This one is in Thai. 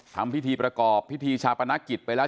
ทำพิธีประกอบพิธีชาปนกิจไปแล้ว